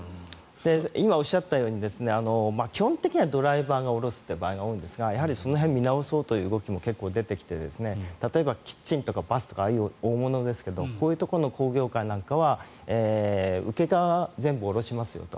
今、おっしゃったように基本的にはドライバーが下ろす場合が多いんですがやはりその辺を見直そうという動きも出てきて例えばキッチンとかバスとかああいう大物ですけどこういうところの工業界なんかは受け側が全部下ろしますよと。